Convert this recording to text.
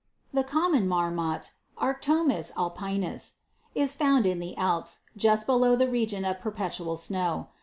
28. The Common Marmot, Arctomys 0lpiniis, is found in the Alps, just below the region of perpetual snow.